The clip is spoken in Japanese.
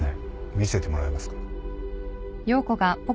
見せてもらえますか？